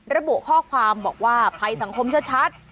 ระบุข้อความบอกว่าภัยสังคมชัด